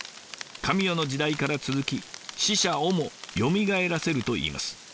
神代の時代から続き死者をもよみがえらせるといいます。